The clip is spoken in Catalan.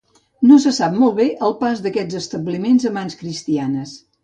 No se sap molt bé el pas d'aquests establiments a mans cristianes.